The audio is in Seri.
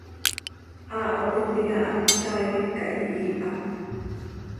Haaho tintica hamt caaitic cah yihiiha.